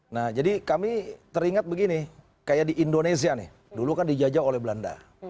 nah jadi kami teringat begini kayak di indonesia nih dulu kan dijajah oleh belanda